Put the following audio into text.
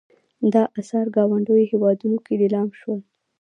دا اثار ګاونډیو هېوادونو کې لیلام شول.